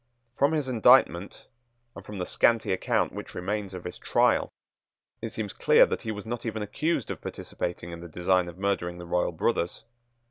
From his indictment, and from the scanty account which remains of his trial, it seems clear that he was not even accused of participating in the design of murdering the royal brothers.